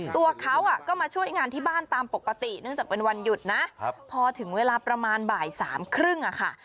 ตัวเขาก็มาช่วยงานที่บ้านตามปกติเนื่องจากเป็นวันหยุดนะพอถึงเวลาประมาณบ่ายสามครึ่งอะค่ะ